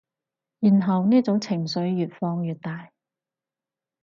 然後呢種情緒越放越大